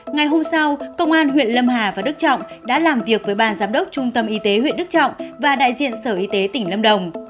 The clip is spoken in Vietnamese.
ngày hôm sau công an huyện lâm hà và đức trọng đã làm việc với ban giám đốc trung tâm y tế huyện đức trọng và đại diện sở y tế tỉnh lâm đồng